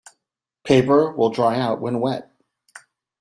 Paper will dry out when wet.